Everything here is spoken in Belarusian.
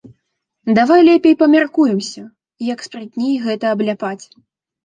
Давай лепей памяркуемся, як спрытней гэта абляпаць.